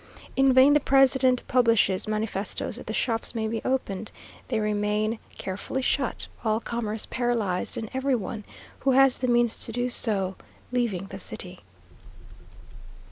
In vain the president publishes manifestos that the shops may be opened; they remain carefully shut, all commerce paralyzed, and every one, who has the means to do so, leaving the city.